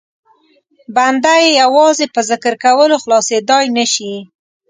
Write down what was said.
بنده یې یوازې په ذکر کولو خلاصېدای نه شي.